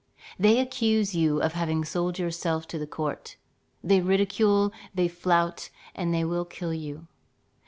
They accuse you of having sold yourself to the court. They ridicule, they flout, and they will kill you.